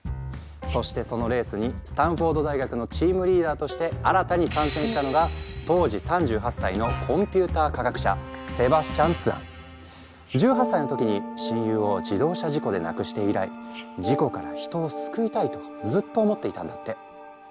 そしてそのレースにスタンフォード大学のチームリーダーとして新たに参戦したのが当時３８歳の１８歳の時に親友を自動車事故で亡くして以来事故から人を救いたいとずっと思っていたんだって。